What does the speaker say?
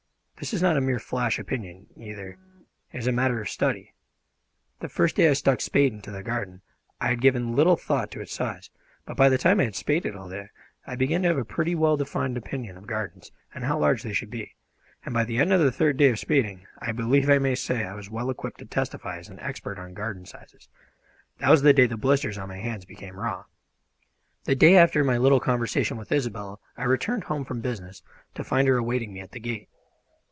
This is not a mere flash opinion, either; it is a matter of study. The first day I stuck spade into that garden I had given little thought to its size, but by the time I had spaded all day I began to have a pretty well defined opinion of gardens and how large they should be, and by the end of the third day of spading I believe I may say I was well equipped to testify as an expert on garden sizes. That was the day the blisters on my hands became raw. [Illustration: 25] The day after my little conversation with Isobel I returned home from business to find her awaiting me at the gate.